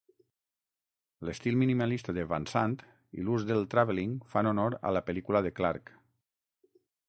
L'estil minimalista de Van Sant i l'ús del tràveling fan honor a la pel·lícula de Clarke.